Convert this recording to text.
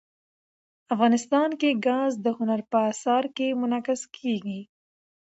افغانستان کې ګاز د هنر په اثار کې منعکس کېږي.